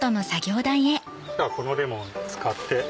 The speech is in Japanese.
ではこのレモン使って。